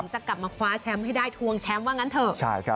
จะกลับมาคว้าแชมป์ให้ได้ทวงแชมป์ว่างั้นเถอะ